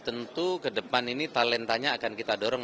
tentu ke depan ini talentanya akan kita dorong